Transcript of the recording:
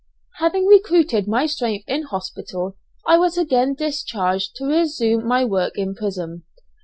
Having recruited my strength in hospital, I was again discharged to resume my work in prison.